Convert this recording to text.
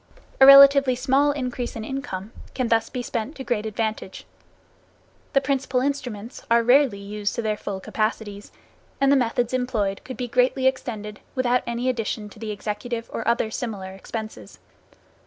A relatively small increase in income can thus be spent to great advantage. The principal instruments are rarely used to their full capacities, and the methods employed could be greatly extended without any addition to the executive or other similar expenses.